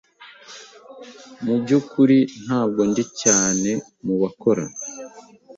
Mubyukuri ntabwo ndi cyane mubakora.